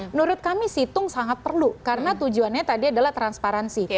menurut kami situng sangat perlu karena tujuannya tadi adalah transparansi